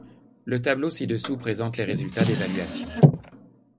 Le tableau ci-dessous présente les résultats d'évaluation.